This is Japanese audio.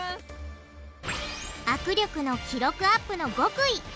握力の記録アップの極意。